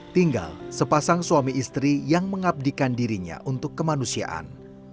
tinggal sepasang suami istri yang mengabdikan dirinya untuk kemanusiaan